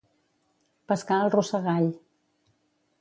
Pescar al rossegall.